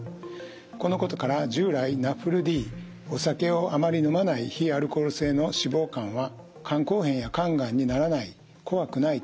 このことから従来ＮＡＦＬＤお酒をあまり飲まない非アルコール性の脂肪肝は肝硬変や肝がんにならない怖くないと見られてきました。